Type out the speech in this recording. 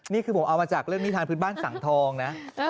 นี่คือผมเอามาจากเรื่องนิทานพื้นบ้านสังทองนะ